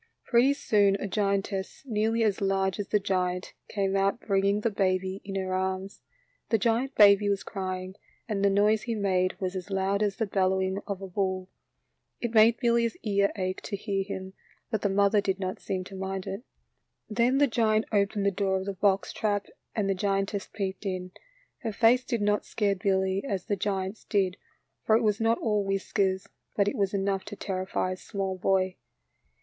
Pretty soon a giantess, nearly as large as the giant, came out bringing the baby in her arms. The giant baby was crying, and the noise he made w^as as loud as the bellowing 70 THE LITTLE FORESTERS. of a bull. It made Billy's ears ache to hear him, but the mother did not seem to mind it. Then the giant opened the door of the box trap and the giantess peeped in. Her face did not scare Billy as the giant's did, for it was not all whiskers, but it was enough to terrify a small boy.